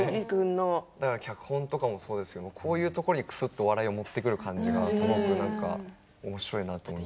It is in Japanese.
脚本とかもそうですけどこういうところに、くすっと笑いを持ってくる感じがおもしろいなと。